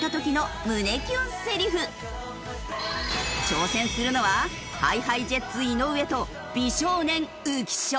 挑戦するのはＨｉＨｉＪｅｔｓ井上と美少年浮所。